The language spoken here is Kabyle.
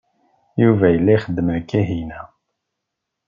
Yuba yella ixeddem d Kahina.